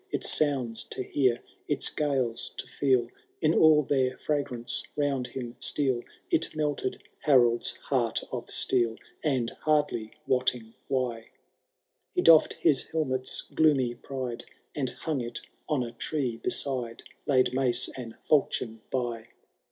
Its sounds to hear, its gales to feel In all their fragrance round him steal. It melted Harold^s heart of steel, And, hardly wotting why, He doffed his helmet*ft gloomy pride. And hung it on a tree beside, Laid mace and falchion by.